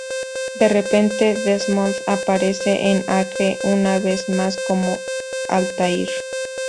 De repente, Desmond aparece en Acre, una vez más como Altaïr.